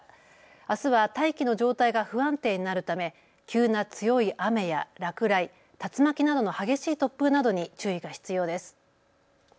あすは大気の状態が不安定になるため急な強い雨や落雷、竜巻などの激しい突風などに注意が必要です。